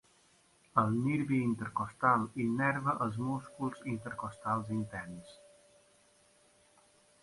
El nervi intercostal innerva els músculs intercostals interns.